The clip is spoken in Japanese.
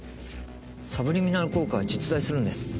サブリミナル効果は実在するんです。